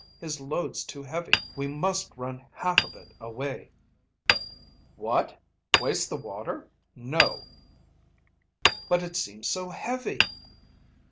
His load's too heavy. We must run half of it away." "What! Waste that water? No." "But it seems so heavy."